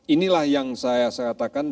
inilah yang saya katakan